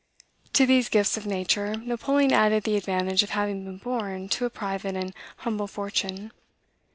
To these gifts of nature, Napoleon added the advantage of having been born to a private and humble fortune.